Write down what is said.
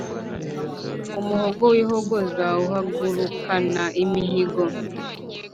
umuhogo w’ihogoza uhagurukana imihigo